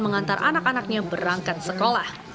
mengantar anak anaknya berangkat sekolah